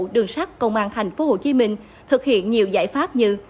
đường sắt công an tp hcm thực hiện nhiều giải pháp như